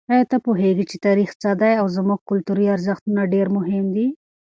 آیا ته پوهېږې چې تاریخ څه دی؟ زموږ کلتوري ارزښتونه ډېر مهم دي.